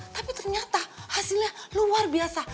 tapi ternyata hasilnya luar biasa